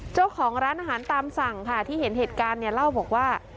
เจ้าของร้านอาหารตามสั่งค่ะที่เห็นเหตุการณ์เนี่ยเล่าบอกว่า